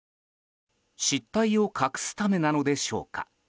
失態を隠すためなのでしょうか。